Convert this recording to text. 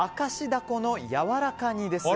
このやわらか煮です。